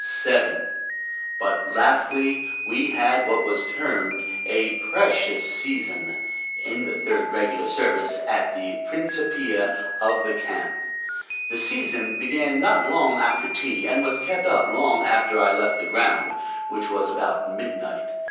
7. But lastly, we had what was termed "a precious season," in the third regular service at the principia of the camp. This season began not long after tea and was kept up long after I left the ground; which was about midnight.